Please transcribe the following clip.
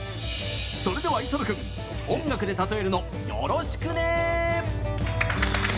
それでは磯野くん音楽で例えるのよろしくね！